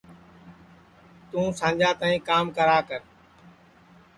توں سانجا تائی کام کرا کر